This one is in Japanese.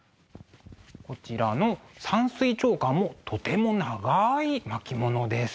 こちらの「山水長巻」もとても長い巻物です。